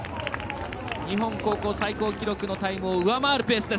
日本高校最高記録を上回るペース。